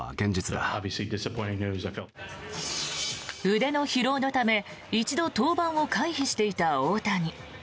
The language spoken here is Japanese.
腕の疲労のため一度登板を回避していた大谷。